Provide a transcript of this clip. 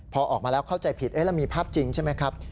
พอออกมาแล้วเข้าใจผิดเรามีภาพจริงใช่ไหมครับ